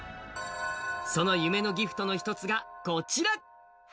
その夢のＧＩＦＴの１つがこちら。